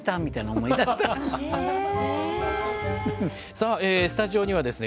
さあスタジオにはですね